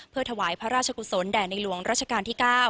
เพื่อถวายพระราชกุศลแด่ในหลวงรัชกาลที่๙